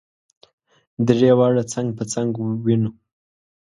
درې واړه څنګ په څنګ وینو.